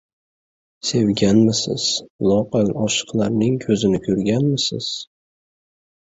• Sevganmisiz, loaqal oshiqlarning ko‘zini ko‘rganmisiz?